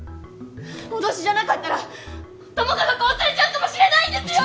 脅しじゃなかったら友果が殺されちゃうかもしれないんですよ！